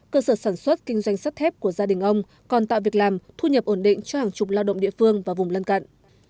cơ sở sản xuất kinh doanh sắt thép của gia đình ông còn tạo việc làm thu nhập ổn định cho hàng chục lao động địa phương và vùng lân cận